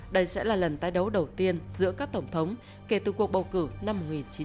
đây sẽ là lần tái đấu đầu tiên giữa các tổng thống kể từ cuộc bầu cử năm một nghìn chín trăm bảy mươi năm